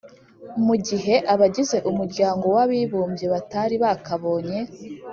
mu gihe abagize umuryango w'abibumbye batari bakabonye